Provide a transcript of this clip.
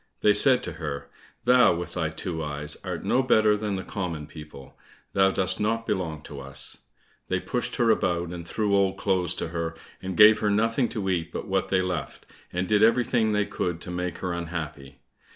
They said to her, "Thou, with thy two eyes, art no better than the common people; thou dost not belong to us!" They pushed her about, and threw old clothes to her, and gave her nothing to eat but what they left, and did everything that they could to make her unhappy.